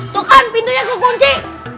tuh kan pintunya gue kunci